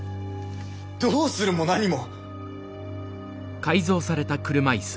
どうするも何も。